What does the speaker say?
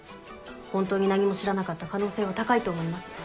本当に何も知らなかった可能性は高いと思います。